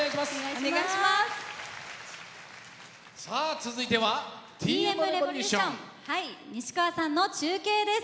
続いてはＴ．Ｍ．Ｒｅｖｏｌｕｔｉｏｎ西川さんの中継です。